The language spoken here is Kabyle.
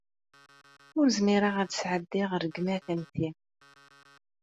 Ur zmireɣ ad sɛeddiɣ rregmat am ti.